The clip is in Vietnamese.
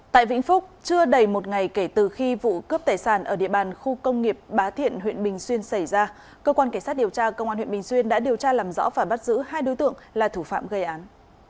tại vĩnh phúc chưa đầy một ngày kể từ khi vụ cướp tài sản ở địa bàn khu công nghiệp bá thiện huyện bình xuyên xảy ra cơ quan cảnh sát điều tra công an huyện bình xuyên đã điều tra làm rõ và bắt giữ hai đối tượng là thủ phạm gây án